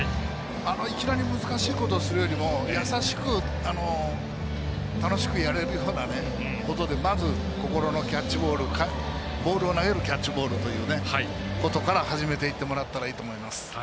いきなり難しいことをするよりもやさしく楽しくやれるようなことでまず、心のキャッチボールボールを投げるキャッチボールということから始めていってもらえたらいいと思います。